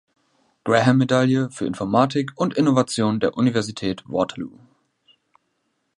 Graham-Medaille für Informatik und Innovation der Universität Waterloo.